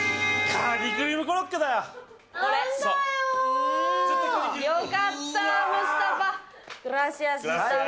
カニクリームコロッケだよ。